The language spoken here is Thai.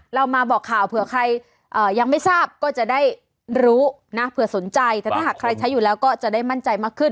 เรามาบอกข่าวเผื่อใครยังไม่ทราบก็จะได้รู้นะเผื่อสนใจแต่ถ้าหากใครใช้อยู่แล้วก็จะได้มั่นใจมากขึ้น